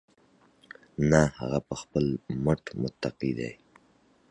منتقدین وایي هغه پر بهرني ملاتړ متکي دی.